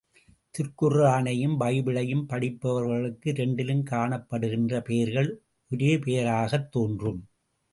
திருக்குர்ரானையும் பைபிளையும் படிப்பவர்களுக்கு இரண்டிலும் காணப்படுகின்ற பெயர்கள் ஒரே பெயராகத் தோன்றும்.